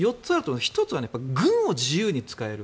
まず１つ目は軍を自由に使える。